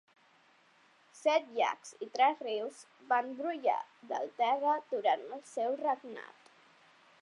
Set llacs i tres rius van brollar del terra durant el seu regnat.